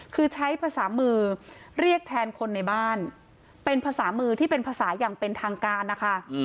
คือใช้ภาษามือเรียกแทนคนในบ้านเป็นภาษามือที่เป็นภาษาอย่างเป็นทางการนะคะ